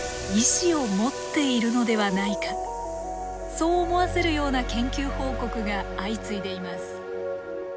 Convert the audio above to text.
そう思わせるような研究報告が相次いでいます。